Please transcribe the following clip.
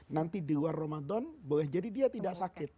nanti di luar ramadan boleh jadi dia tidak sakit